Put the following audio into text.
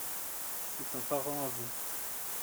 C'est un parent à vous ?